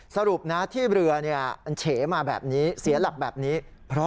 ว่าเหตุใดเรือมาถึงเฉแล้วก็เสียหลักมาแบบนี้นะครับ